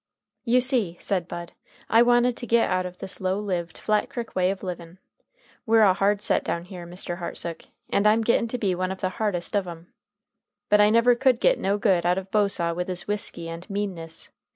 "You see," said Bud, "I wanted to git out of this low lived, Flat Crick way of livin'. We're a hard set down here, Mr. Hartsook. And I'm gittin' to be one of the hardest of 'em. But I never could git no good out of Bosaw with his whisky and meanness.